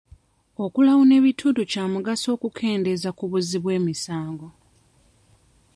Okulawuna ebitundu kya mugaso okukendeeza ku buzzi bw'emisango.